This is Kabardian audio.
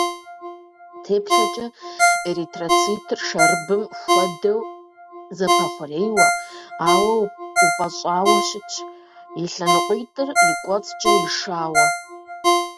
Теплъэкӏэ эритроцитыр шэрыбым хуэдэу зэпэхъурейуэ, ауэ упӏэщӏауэ щытщ, и лъэныкъуитӏыр и кӏуэцӏкӏэ ишауэ.